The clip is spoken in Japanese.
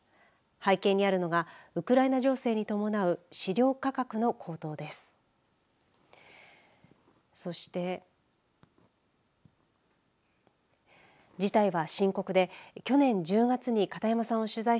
背景にあるのがウクライナ情勢に伴う飼料価格の高騰です。